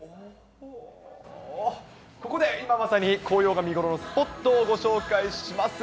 ここで今まさに紅葉が見頃のスポットをご紹介します。